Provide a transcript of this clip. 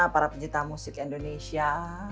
para pencipta musik indonesia